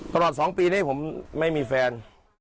ตลอด๒ปีนี้ผมไม่มีแฟน